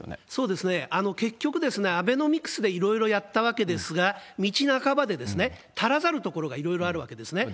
結局、アベノミクスでいろいろやったわけですが、道半ばで足らざるところがいろいろあるわけですね。